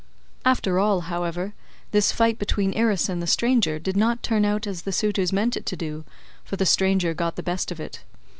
After all, however, this fight between Irus and the stranger did not turn out as the suitors meant it to do, for the stranger got the best of it.